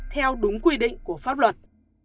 theo đúng quy định của pháp luật